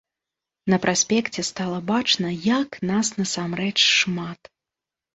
На праспекце стала бачна, як нас насамрэч шмат.